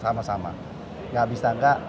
sama sama tidak bisa tidak